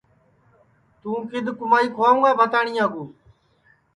توں کِدؔ کُمائی کھوائوں گا بھتانیا کُو